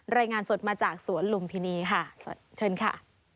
รายงานสดมาจากสวนลุมพินีค่ะเชิญค่ะ